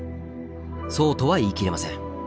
そうとは言いきれません。